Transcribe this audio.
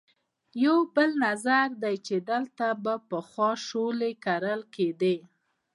یو بل نظر دی چې دلته به پخوا شولې کرلې کېدې.